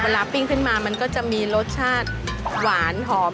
ปิ้งขึ้นมามันก็จะมีรสชาติหวานหอม